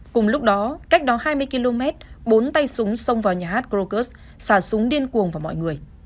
cùng lúc đó cách đó hai mươi km bốn tay súng xông vào nhà hát groker s xà súng điên cuồng vào mọi người